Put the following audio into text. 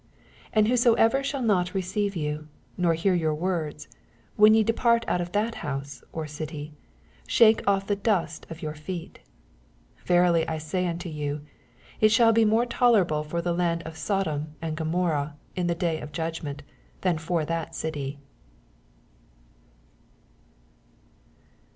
14 And whosoever shall not receive yon, nor hear your words, when ye depart out of that house or city, shake off the dust of your feet. 15 Verily I say unto you. It shall be more tolerable for the land of Sodom and Gomorrha in the day of judgment, than for that city.